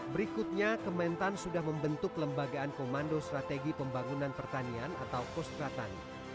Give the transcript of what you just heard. berikutnya kementan sudah membentuk lembagaan komando strategi pembangunan pertanian atau kostra tani